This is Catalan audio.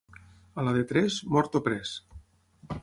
A la de tres, mort o pres.